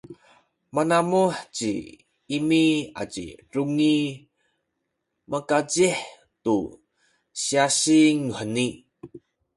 manamuh ci Imi aci Dungi makazih tu syasing nuheni.